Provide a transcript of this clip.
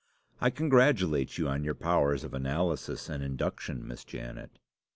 I congratulate you on your powers of analysis and induction, Miss Janet.